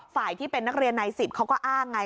ฝ่ายที่เป็นนักเรียนใน๑๐เขาก็อ้างไง